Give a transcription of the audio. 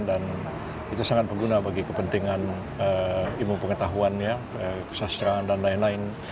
dan itu sangat berguna bagi kepentingan ilmu pengetahuan sastra dan lain lain